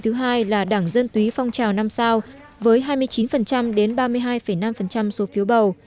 thứ hai là đảng dân túy phong trào năm sao với hai mươi chín đến ba mươi hai năm số phiếu bầu